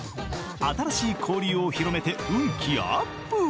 ［新しい交流を広めて運気アップ］